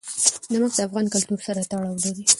نمک د افغان کلتور سره تړاو لري.